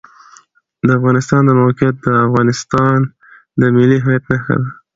د افغانستان د موقعیت د افغانستان د ملي هویت نښه ده.